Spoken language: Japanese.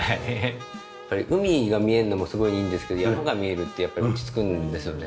やっぱり海が見えるのもすごいいいんですけど山が見えるってやっぱり落ち着くんですよね。